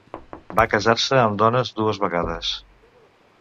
Va casar-se amb dones dues vegades.